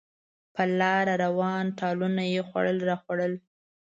په لاره روان، ټالونه یې خوړل راخوړل.